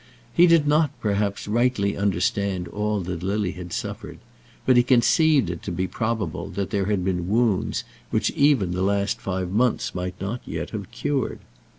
He did not, perhaps, rightly understand all that Lily had suffered, but he conceived it to be probable that there had been wounds which even the last five months might not yet have cured.